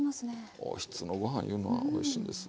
おひつのご飯いうのはおいしいんですわ。